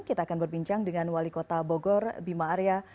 kita akan berbincang dengan wali kota bogor bima arya